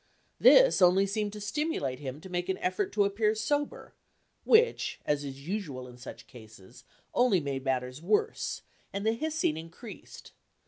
This only seemed to stimulate him to make an effort to appear sober, which, as is usual in such cases, only made matters worse, and the hissing increased.